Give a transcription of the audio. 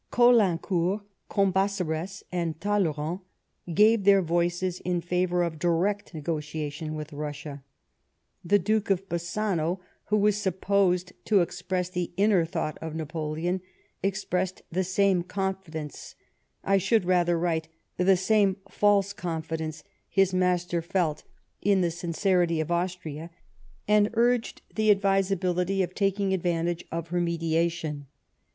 Caulaincourt, Cambaceres, and Talleyrand, gave their voices in favour of direct negotiation with Pussia : the Duke of Bassano, who was supposed to express the inner thought of Napoleon, expressed the same confidence — I should rather write — the same false confidence his master felt in the sincerity THE WINTER OF 1812 13. 83 of Austria, and urged the advisability of taking advantage of her mediation.